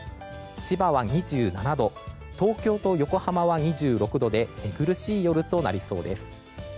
千葉は２７度東京と横浜は２６度で寝苦しい夜となりそうです。